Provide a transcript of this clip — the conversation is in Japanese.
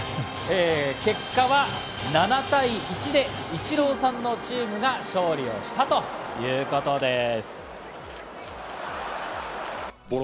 結果は７対１でイチローさんのチームが勝利をしたということです。